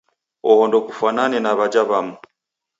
Oho ndokufwanane na w'aja w'amu.